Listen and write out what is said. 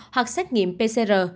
hoặc xét nghiệm pcr